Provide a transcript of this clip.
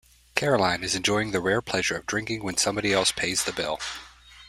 Caroline is enjoying the rare pleasure of drinking when somebody else pays the bill.